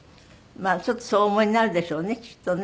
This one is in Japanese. まあちょっとそうお思いになるでしょうねきっとね。